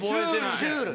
シュールで。